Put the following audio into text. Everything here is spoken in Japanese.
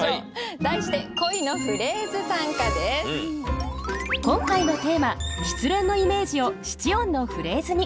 題して今回のテーマ「失恋」のイメージを七音のフレーズに。